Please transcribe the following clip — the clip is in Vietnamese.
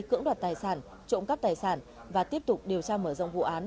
cưỡng đoạt tài sản trộm cắp tài sản và tiếp tục điều tra mở rộng vụ án